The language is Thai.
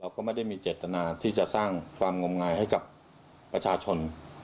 ก็ไม่ได้มีเจตนาที่จะสร้างความงมงายให้กับประชาชน